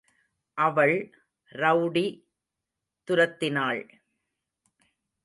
அவள் ரெளடி துரத்தினாள்.